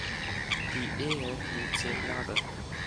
Die Ehe hielt zehn Jahre.